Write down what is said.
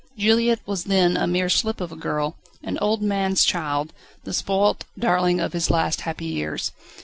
Juliette was then a mere slip of a girl, an old man's child, the spoilt darling of his last happy years.